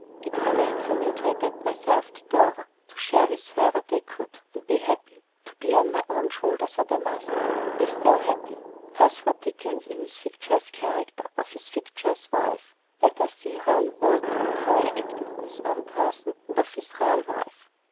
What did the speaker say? It remained for me to adapt myself to Dora; to share with her what I could, and be happy; to bear on my own shoulders what I must, and be still happy. Thus wrote Dickens in his fictitious character, and of his fictitious wife. Let us see how he wrote and how he acted in his own person, and of his real wife.